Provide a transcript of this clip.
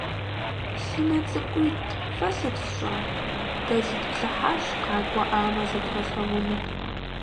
Си нэ цӀыкӀуитӀ, фэ сыт фщӀар? - Дэ зытплъыхьащ, къакӀуэӀамэ зэдгъэлъэгъуну.